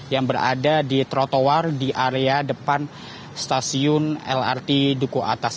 yang berada di trotoar di area depan stasiun lrt duku atas